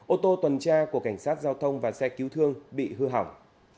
ô tô tuần tra của cảnh sát giao thông và xe cứu thương bị hư hỏng